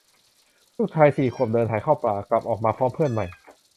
ลูกชาย สี่ ขวบ เดินหายเข้าป่า กลับออกมาพร้อมเพื่อนใหม่